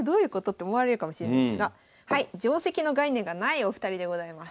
って思われるかもしれないですが定跡の概念がないお二人でございます。